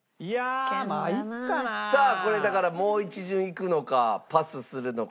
さあこれだからもう１巡いくのかパスするのか。